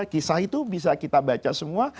kisah itu bisa kita baca semua